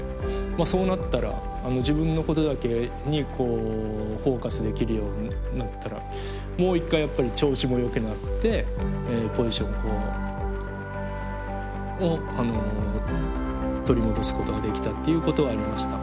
そうなったら自分のことだけにフォーカスできるようになったらもう一回やっぱり調子もよくなってポジションを取り戻すことができたっていうことはありました。